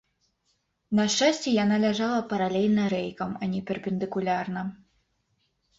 На шчасце, яна ляжала паралельна рэйкам, а не перпендыкулярна.